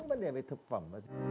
đúng vấn đề về thực phẩm